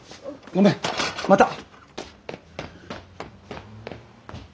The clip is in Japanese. ごめんまた！